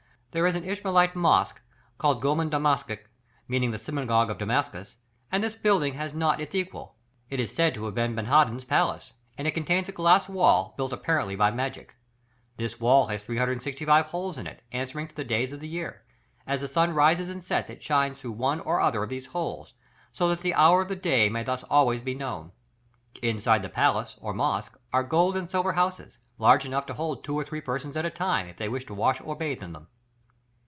There is an Ishmaelitish mosque, called Goman Dammesec, meaning the synagogue of Damascus, and this building has not its equal; it is said to have been Benhadad's palace, and it contains a glass wall, built apparently by magic. This wall has 365 holes in it, answering to the days of the year; as the sun rises and sets it shines through one or other of these holes, so that the hour of the day may thus always be known. Inside the palace or mosque are gold and silver houses, large enough to hold two or three persons at a time, if they wish to wash or bathe in them."